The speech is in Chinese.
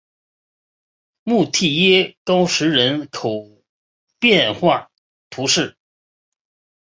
穆蒂耶高石人口变化图示